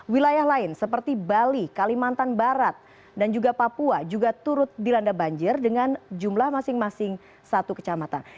wilayah lain seperti bali kalimantan barat dan juga papua juga turut dilanda banjir dengan jumlah masing masing satu kecamatan